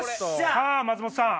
さぁ松本さん